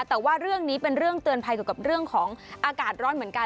แต่ว่าเรื่องนี้เป็นเรื่องเตือนภัยเกี่ยวกับเรื่องของอากาศร้อนเหมือนกัน